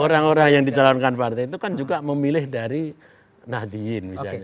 orang orang yang dicalonkan partai itu kan juga memilih dari nahdien misalnya